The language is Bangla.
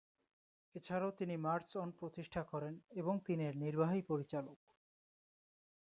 এছাড়াও তিনি মার্চ অন প্রতিষ্ঠা করেন, এবং তিনি এর নির্বাহী পরিচালক।